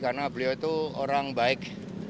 karena beliau itu orang baik